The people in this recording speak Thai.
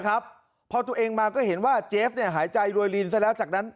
ครับพอตัวเองมาก็เห็นว่าเจฟเนี่ยหายใจรวยลินซะแล้วจากนั้น